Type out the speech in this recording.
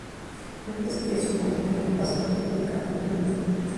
Sentimientos que sucumben frente al paso del tiempo y caen en el olvido.